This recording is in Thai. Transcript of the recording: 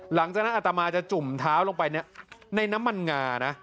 หลังจากนั้นอัตมาจะจุ่มเท้าลงไปในน้ำมันงานะ